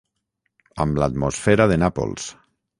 Amb l'atmosfera de Nàpols.